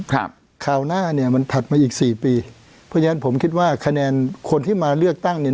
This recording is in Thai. ครับคราวหน้าเนี้ยมันถัดมาอีกสี่ปีเพราะฉะนั้นผมคิดว่าคะแนนคนที่มาเลือกตั้งเนี่ย